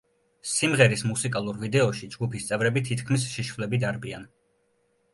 სიმღერის მუსიკალურ ვიდეოში ჯგუფის წევრები თითქმის შიშვლები დარბიან.